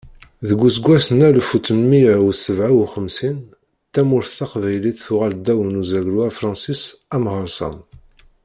Deg useggas n alef u tmenmiyya u sebɛa u xemsin, tamurt taqbaylit tuɣal ddaw n uzaglu afṛensis amhersan.